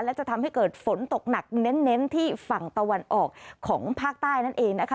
และจะทำให้เกิดฝนตกหนักเน้นที่ฝั่งตะวันออกของภาคใต้นั่นเองนะคะ